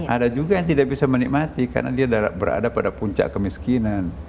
ada juga yang tidak bisa menikmati karena dia berada pada puncak kemiskinan